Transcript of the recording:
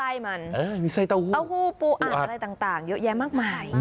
อารมณ์ของแม่ค้าอารมณ์การเสิรฟนั่งอยู่ตรงกลาง